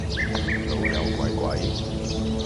老友鬼鬼